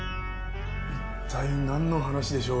一体なんの話でしょう？